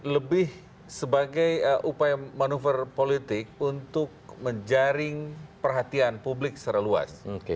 lebih sebagai upaya manuver politik untuk menjaring perhatian publik secara luas